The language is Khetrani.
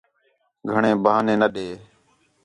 گھݨیں بہانے نہ ݙے